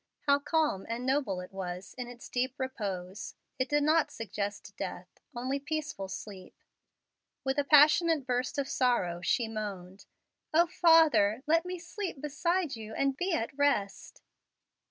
How calm and noble it was in its deep repose! It did not suggest death only peaceful sleep. With a passionate burst of sorrow she moaned, "O father, let me sleep beside you, and be at rest!"